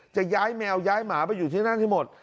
จะย้ายแมวย้ายหมาไปอยู่ที่นั่นให้หมด